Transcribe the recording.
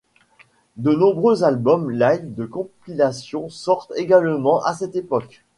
De nombreux albums live et compilations sortent également à cette époque.